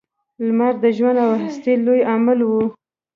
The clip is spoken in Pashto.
• لمر د ژوند او هستۍ لوی عامل و.